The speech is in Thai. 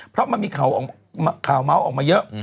เพราะมันมีข่าวเมาส์ออกมาเยอะ